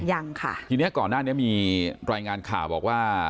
ยังค่ะทีนี้ก่อนหน้านี้มีรายงานข่าวบอกว่า